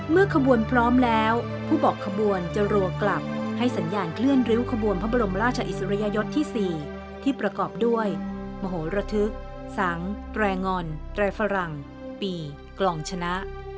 ขบวนพร้อมแล้วผู้บอกขบวนจะรัวกลับให้สัญญาณเคลื่อนริ้วขบวนพระบรมราชอิสริยยศที่๔ที่ประกอบด้วยมโหระทึกสังแตรงอนแตรฝรั่งปีกลองชนะ